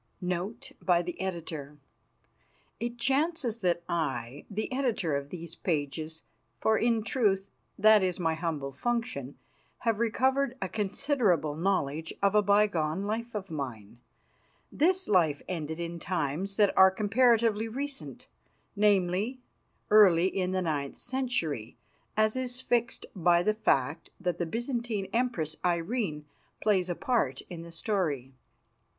NOTE BY THE EDITOR It chances that I, the Editor of these pages for, in truth, that is my humble function have recovered a considerable knowledge of a bygone life of mine. This life ended in times that are comparatively recent, namely, early in the ninth century, as is fixed by the fact that the Byzantine Empress, Irene, plays a part in the story.